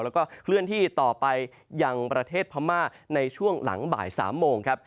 แล้วก็เคลื่อนที่ต่อไปยังประเทศพม่าในช่วงหลังบ่าย๓โมงครับ